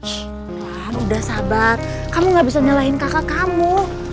sial udah sabar kamu gak bisa nyalahin kakak kamu